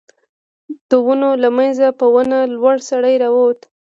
د ونو له مينځه په ونه لوړ سړی را ووت.